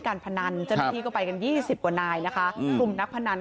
การพนันจริงก็ไปกันยี่สิบกว่านายนะคะอืมกลุ่มนักพนัน